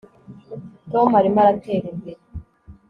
Tom arimo aratera imbere